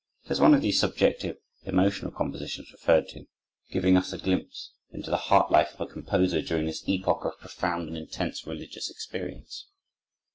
It is one of the subjective, emotional compositions referred to, giving us a glimpse into the heart life of the composer during this epoch of profound and intense religious experience.